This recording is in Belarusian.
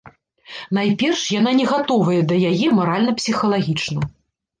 Найперш, яна не гатовая да яе маральна-псіхалагічна.